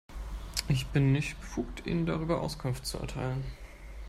Ich bin nicht befugt, Ihnen darüber Auskunft zu erteilen.